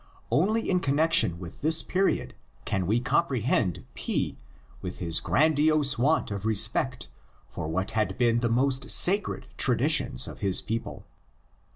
Only in con nexion with this period can we comprehend P with his grandiose want of respect for what had been the most sacred traditions of his people.